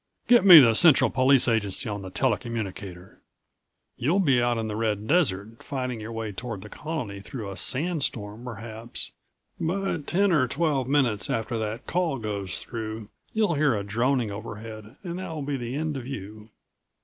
"Get me the Central Police Agency on the tele communicator." You'll be out in the red desert, fighting your way toward the Colony through a sandstorm perhaps, but ten or twelve minutes after that call goes through you'll hear a droning overhead and that will be the end of you.